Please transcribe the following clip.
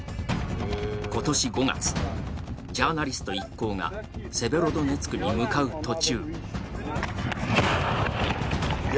今年５月、ジャーナリスト一行がセベロドネツクに向かう途中。